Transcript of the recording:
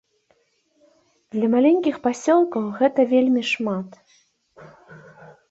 Для маленькіх пасёлкаў гэта вельмі шмат.